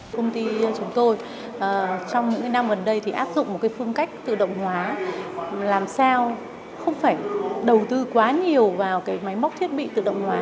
công ty chúng tôi trong những năm gần đây thì áp dụng một cái phương cách tự động hóa làm sao không phải đầu tư quá nhiều vào cái máy móc thiết bị tự động hóa